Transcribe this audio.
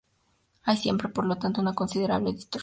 Hay siempre, por lo tanto, una considerable distorsión.